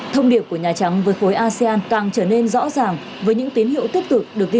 thông điệp của nhà trắng với khối asean càng trở nên rõ ràng với những tín hiệu tích cực được ghi